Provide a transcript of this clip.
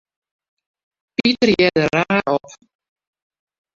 Piter hearde raar op.